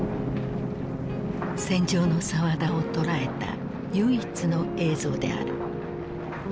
戦場の沢田を捉えた唯一の映像である。